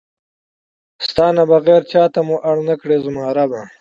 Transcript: دا ستا نه بغیر چاته مو اړ نکړې زما ربه!